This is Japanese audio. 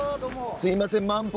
すいません